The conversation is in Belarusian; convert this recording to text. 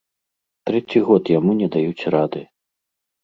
Трэці год яму не даюць рады.